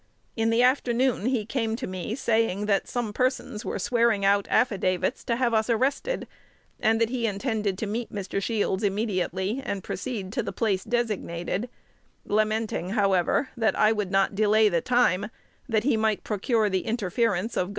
In the afternoon he came to me, saying that some persons were swearing out affidavits to have us arrested, and that he intended to meet Mr. Shields immediately, and proceed to the place designated; lamenting, however, that I would not delay the time, that he might procure the interference of Gov.